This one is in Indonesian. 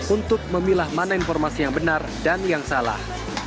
untuk memilah mana informasi yang benar dan yang salah